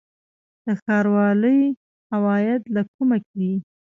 د ښاروالۍ عواید له کومه دي؟